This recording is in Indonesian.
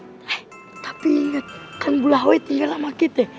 eh tapi inget kan bu lahwe tinggal sama kita